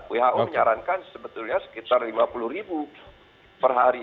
who menyarankan sebetulnya sekitar rp lima puluh per hari